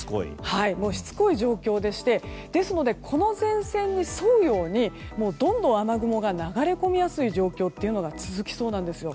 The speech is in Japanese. しつこい状況でしてですので、この前線に沿うようにどんどん雨雲が流れ込みやすい状況が続きそうなんです。